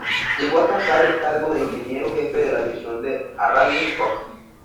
Llegó a alcanzar el cargo de Ingeniero Jefe de la División de arrabio-cok.